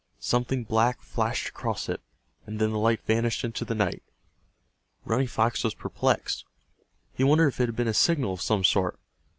Something black flashed across it, and then the light vanished into the night. Running Fox was perplexed. He wondered if it had been a signal of some sort.